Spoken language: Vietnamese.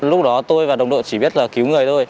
lúc đó tôi và đồng đội chỉ biết là cứu người thôi